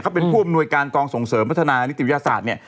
เขาเป็นผู้อำนวยการกองส่งเสริมพัฒนานิติวิทยาศาสตร์เนี่ย